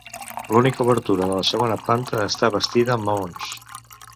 L'única obertura de la segona planta està bastida amb maons.